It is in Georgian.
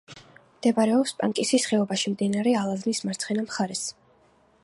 მდებარეობს პანკისის ხეობაში, მდინარე ალაზნის მარცხენა მხარეს.